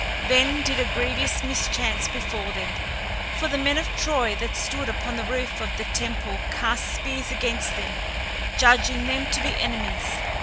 Then did a grievous mischance befall them, for the men of Troy that stood upon the roof of the temple cast spears against them, judging them to be enemies.